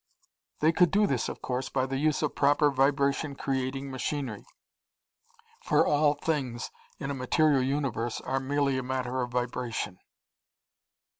"They could, do this, of course, by the use of proper vibration creating machinery, for all things in a material universe are merely a matter of vibration.